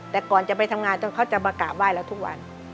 แต่ก่อนจะไปทำงานจนเขาจะมากราบไห้เราทุกวัน